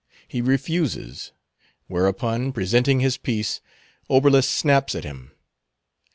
He refuses. Whereupon, presenting his piece, Oberlus snaps at him.